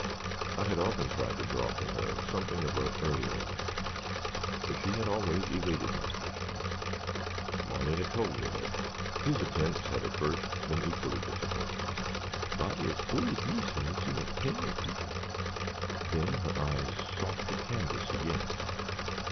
I had often tried to draw from her something of her earlier life, but she had always evaded my questions. Marny had told me that his attempts had at first been equally disappointing. "Body as ole's me, suh, seen a plenty o' people." Then her eyes sought the canvas again.